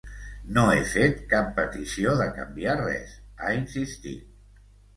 No he fet cap petició de canviar res, ha insistit.